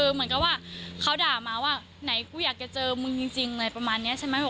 เหมือนกับว่าเขาด่ามาว่าไหนกูอยากจะเจอมึงจริงอะไรประมาณนี้ใช่ไหม